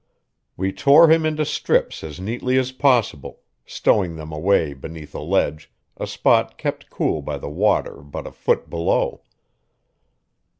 We tore him into strips as neatly as possible, stowing them away beneath a ledge, a spot kept cool by the water but a foot below.